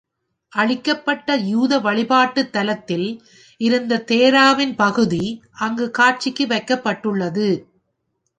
அழிக்கப்பட்ட யூத வழிபாட்டுத் தலத்தில் இருந்த தோராவின் பகுதி அங்கு காட்சிக்கு வைக்கப்பட்டுள்ளது.